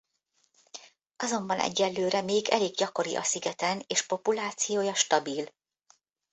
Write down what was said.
Azonban egyelőre még elég gyakori a szigeten és populációja stabil.